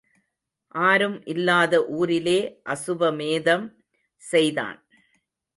ஆரும் இல்லாத ஊரிலே அசுவமேதம் செய்தான்.